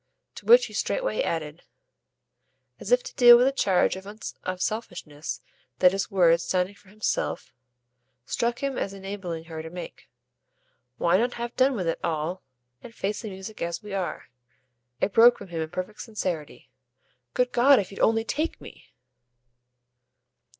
To which he straightway added, as if to deal with the charge of selfishness that his words, sounding for himself, struck him as enabling her to make: "Why not have done with it all and face the music as we are?" It broke from him in perfect sincerity. "Good God, if you'd only TAKE me!"